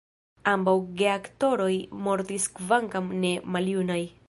Ambaŭ geaktoroj mortis kvankam ne maljunaj.